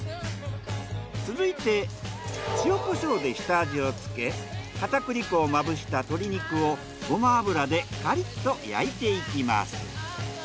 続いて塩コショウで下味をつけ片栗粉をまぶした鶏肉をごま油でカリっと焼いていきます。